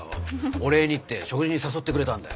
お礼にって食事に誘ってくれたんだよ。